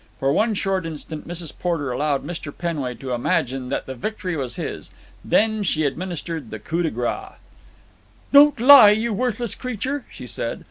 For one short instant Mrs. Porter allowed Mr. Penway to imagine that the victory was his, then she administered the coup de grace. "Don't lie, you worthless creature," she said.